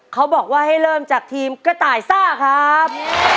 เขาบอกว่าให้เริ่มจากทีมกระต่ายซ่าครับ